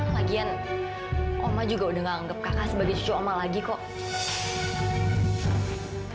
lagian oma juga udah gak anggap kakak sebagai cioma lagi kok